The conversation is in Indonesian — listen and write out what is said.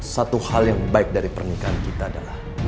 satu hal yang baik dari pernikahan kita adalah